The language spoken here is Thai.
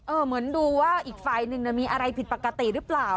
เหมือนดูว่าอีกฝ่ายหนึ่งมีอะไรผิดปกติหรือเปล่า